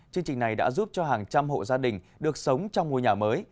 chương trình này đã giúp cho hàng trăm hộ gia đình được sống trong ngôi nhà mới